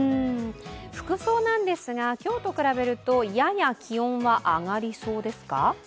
服装なんですが今日と比べるとやや気温は上がりそうですか？